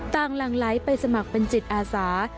หลังหลั่งไหลไปสมัครเป็นจิตอาสา